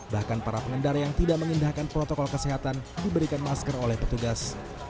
bahkan para pengendara yang tidak mengindahkan protokol kesehatan diberikan masker oleh petugas